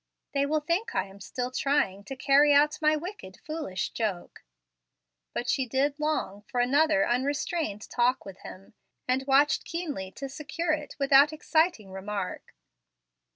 "They will think I am still trying to carry out my wicked, foolish joke." But she did long for another unrestrained talk with him, and watched keenly to secure it without exciting remark.